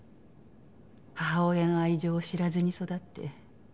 母親の愛情を知らずに育って。